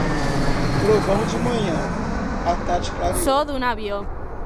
Trovão de manhã, a tarde clareou.